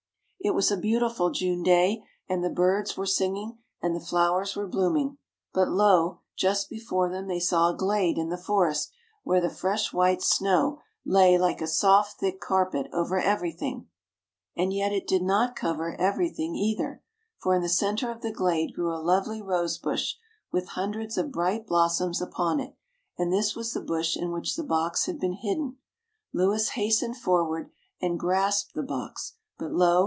"It was a beautiful June day, and the birds were singing, and the flowers were blooming; but, lo! just before them they saw a glade in the forest where the fresh white snow lay like a soft thick carpet over everything. "And yet it did not cover everything either. For in the centre of the glade grew a lovely rose bush, with hundreds of bright blossoms upon it, and this was the bush in which the box had been hidden. Louis hastened forward, and grasped the box; but, lo!